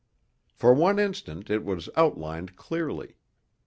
For one instant it was outlined clearly.